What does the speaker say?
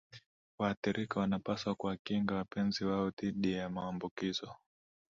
waathirika wanapaswa kuwakinga wapenzi wao dhidi ya maambukizo